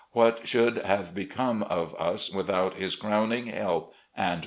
What should have become of us without His crowning help and protection